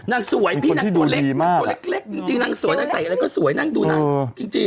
นั่งสวยพี่นั่งตัวเล็กจริงนั่งสวยใส่อะไรก็สวยนั่งดูหนักจริง